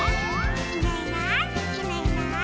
「いないいないいないいない」